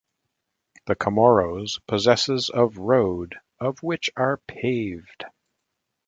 The Comoros possesses of road, of which are paved.